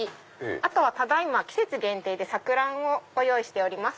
あとはただ今季節限定で桜あんをご用意しております。